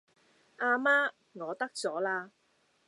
阿媽，我得咗啦!